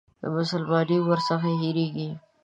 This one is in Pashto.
مسلماني ورڅخه هېرېږي.